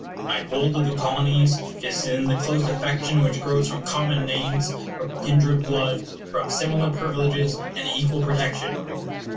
My hold of the Colonies is in the close affection which grows from common names, from kindred blood, from similar privileges, and equal protection.